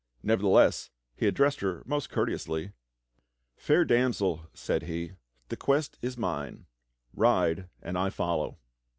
Nevertheless, he addressed her most courteously. "Fair Damsel," said he, "the quest is mine. Ride and I follow."